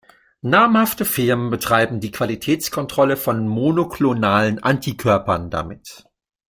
Namhafte Firmen betreiben die Qualitätskontrolle von Monoklonalen Antikörpern damit.